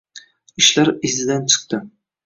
Ishlar izidan chiqdi.